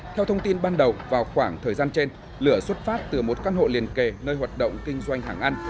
theo thông tin ban đầu vào khoảng thời gian trên lửa xuất phát từ một căn hộ liền kề nơi hoạt động kinh doanh hàng ăn